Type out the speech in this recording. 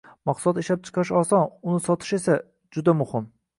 Mahsulotni ishlab chiqarish oson, uni sotish esa juda muhim